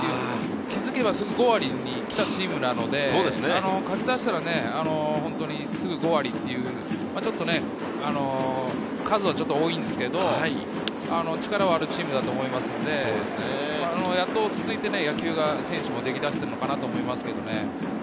気づけば５割に来たチームなので、勝ちだしたら本当にすぐ５割という、数はちょっと多いんですけれど、力はあるチームだと思いますので、やっと落ち着いて、選手も野球ができだしているのかなと思います。